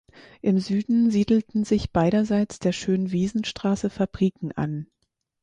Im Süden siedelten sich beiderseits der Schönwiesenstraße Fabriken an.